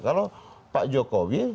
kalau pak jokowi